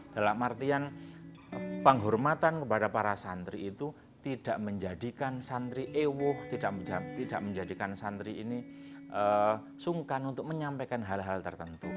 dalam artian penghormatan kepada para santri itu tidak menjadikan santri ewuh tidak menjadikan santri ini sungkan untuk menyampaikan hal hal tertentu